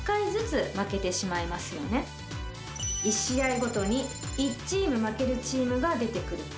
１試合ごとに１チーム負けるチームが出て来る。